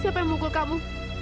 siapa yang mengalahkanmu